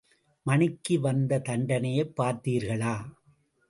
மணிக்கு வந்த தண்டனையைப் பார்த்தீர்களா?